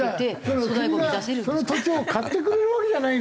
国がその土地を買ってくれるわけじゃないの？